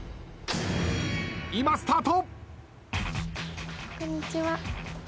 今スタート。